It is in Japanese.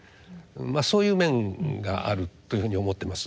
そういう面があるというふうに思ってます。